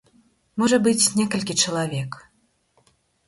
Можа быць, некалькі чалавек.